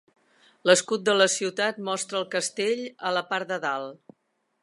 L'escut de la ciutat mostra el castell a la part de dalt.